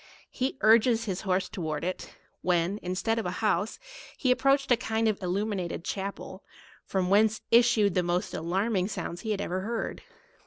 He urg es his horse towards it ; when, instead of an house, he approached a kind of illuminated chapel, from whence issued the most alarming 172 sounds he had ever heard.